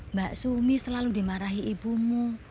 mbak sumi selalu dimarahi ibumu